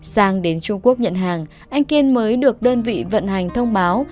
sang đến trung quốc nhận hàng anh kiên mới được đơn vị vận hành thông báo